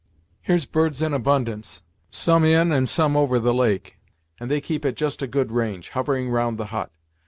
"Here's birds in abundance, some in, and some over the lake, and they keep at just a good range, hovering round the hut.